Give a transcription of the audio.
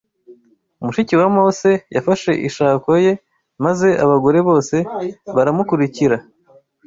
mushiki wa Mose yafashe ishako ye maze abagore bose baramukurikira